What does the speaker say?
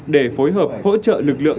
để phối hợp hỗ trợ lực lượng